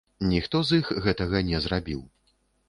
Ніхто з іх гэтага не зрабіў.